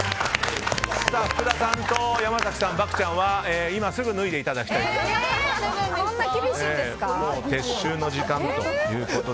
福田さんと山崎さん、漠ちゃんは今すぐ脱いでいただくと。